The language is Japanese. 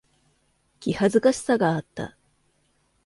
気恥ずかしさがあった。